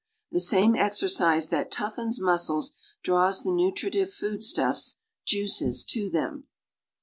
The same exercise that toughens muscles draws the nutri tive foodstuffs (juices) to them.